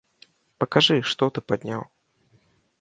Пакажы, што ты падняў!